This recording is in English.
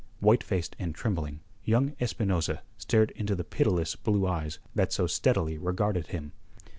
White faced and trembling, young Espinosa stared into the pitiless blue eyes that so steadily regarded him.